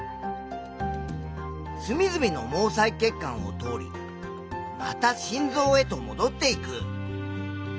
すみずみの毛細血管を通りまた心臓へともどっていく。